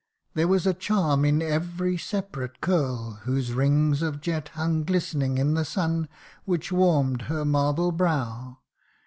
There was a charm in every separate curl Whose rings of jet hung glistening in the sun, Which warm'd her marble brow.